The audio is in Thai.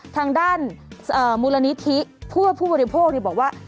ทางด้านมูลณิธิผู้บริโภคที่บอกว่า